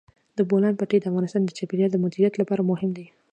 د بولان پټي د افغانستان د چاپیریال د مدیریت لپاره مهم دي.